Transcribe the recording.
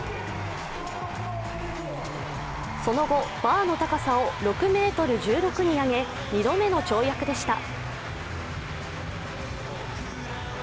その後、バーの高さを６ｍ１６に上げ、２度目の跳躍でした。